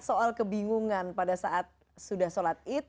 soal kebingungan pada saat sudah sholat id